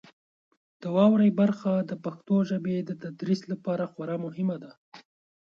د واورئ برخه د پښتو ژبې د تدریس لپاره خورا مهمه ده.